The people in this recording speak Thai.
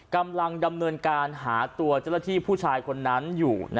กำลังดำเนินการหาตัวเจ้าหน้าที่ผู้ชายคนนั้นอยู่